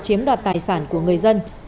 chiếm đoạt tài sản của người dân